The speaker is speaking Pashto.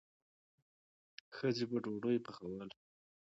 ښځې به ډوډۍ پخوله.